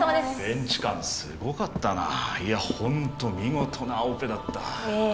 弁置換すごかったないやホント見事なオペだったええ